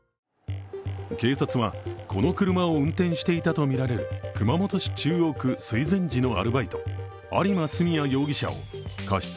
警察はこの車を運転していたとみられる熊本市中央区水前寺のアルバイト有馬純也容疑者を過失